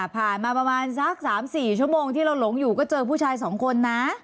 ผ่านมาประมาณสัก๓๔ชั่วโมงที่เราหลงอยู่ก็เจอผู้ชาย๒คนนะ